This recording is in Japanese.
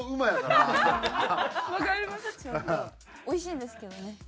美味しいんですけどね。